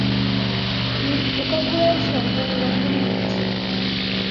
Me ওকাকুরার সঙ্গে নিরঞ্জন গিয়েছে।